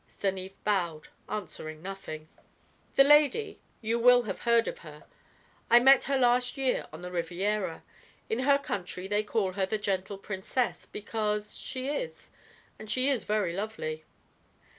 Stanief bowed, answering nothing. "The lady you will have heard of her. I met her last year on the Riviera. In her country they call her the Gentle Princess, because she is. And she is very lovely."